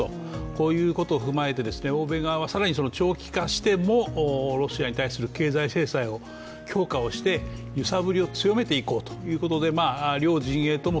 こういうことを踏まえて、欧米側は更に長期化してもロシアに対する経済制裁を強化して揺さぶりを強めていこうということで両陣営とも